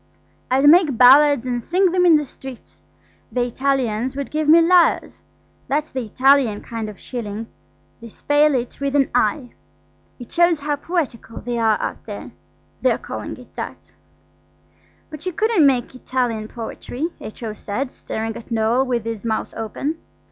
I'd make ballads and sing them in the streets. The Italians would give me lyres–that's the Italian kind of shilling, they spell it with an i. It shows how poetical they are out there, their calling it that." "But you couldn't make Italian poetry," H.O. said, staring at Noël with his mouth open.